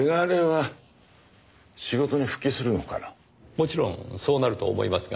もちろんそうなると思いますが。